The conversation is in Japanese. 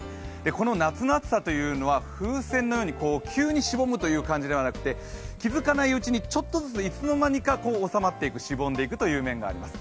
この夏の暑さというのは風船のように急にしぼむという感じではなくて気づかないうちにちょっとずついつの間にか収まっていく、しぼんでいくという面があります。